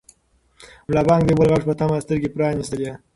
ملا بانګ د یو بل غږ په تمه سترګې پرانیستلې.